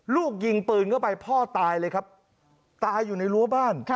ลูกยิงปืนเข้าไปพ่อตายเลยครับตายอยู่ในรั้วบ้าน